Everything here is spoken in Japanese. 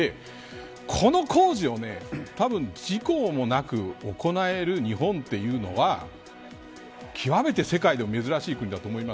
この工事をたぶん事故もなく行える日本というのは極めて世界でも珍しい国だと思います。